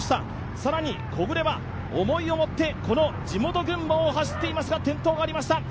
更に木榑は思いを持ってこの地元・群馬を走っていますが転倒がありました。